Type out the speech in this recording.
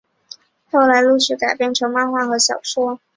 后来陆续改编成漫画和小说。